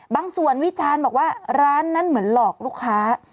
บางส่วนวิจารณ์บอกว่าร้านนั้นเหมือนหลอกลูกค้า